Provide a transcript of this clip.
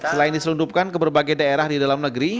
selain diselundupkan ke berbagai daerah di dalam negeri